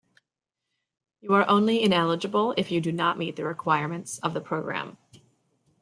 You are only ineligible if you do not meet the requirements of the program.